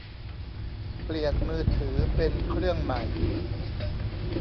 เปลี่ยนมือถือเป็นเครื่องใหม่